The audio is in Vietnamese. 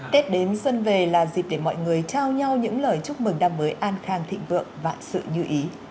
tết đến xuân về là dịp để mọi người trao nhau những lời chúc mừng năm mới an khang thịnh vượng và sự như ý